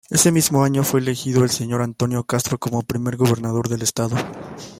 Ese mismo año, fue elegido el Sr. Antonio Castro como primer Gobernador del estado.